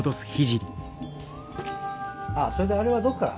ああそれであれはどっから？